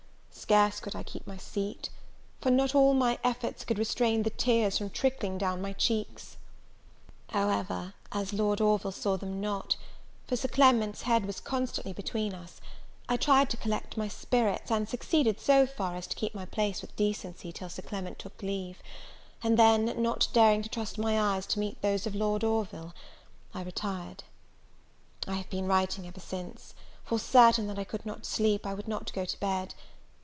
scarce could I keep my seat; for not all my efforts could restrain the tears from trickling down my cheeks: however, as Lord Orville saw them not, for Sir Clement's head was constantly between us, I tried to collect my spirits, and succeeded so far as to keep my place with decency, till Sir Clement took leave; and then, not daring to trust my eyes to meet those of Lord Orville, I retired. I have been writing ever since; for, certain that I could not sleep, I would not go to bed.